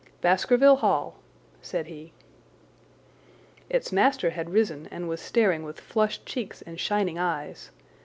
"Baskerville Hall," said he. Its master had risen and was staring with flushed cheeks and shining eyes.